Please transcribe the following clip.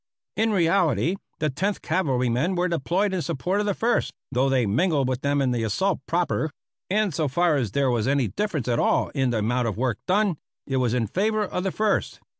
In reality, the Tenth Cavalrymen were deployed in support of the First, though they mingled with them in the assault proper; and so far as there was any difference at all in the amount of work done, it was in favor of the First.